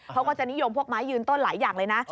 เขาก็จะนิยมพวกไม้ยืนต้นหลายอย่างเลยนะ